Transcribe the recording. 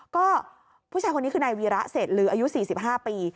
ก็ผู้ชายคนนี้คือนายวีระเศษลืออายุ๔๕ปี